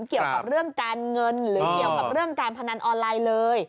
เกี่ยวกับเรื่องการเงินหรือเกี่ยวกับเรื่องการพนันออนไลน์เลย